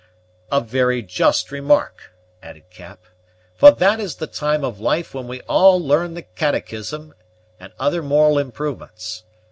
"A very just remark," added Cap, "for that is the time of life when we all learn the catechism, and other moral improvements.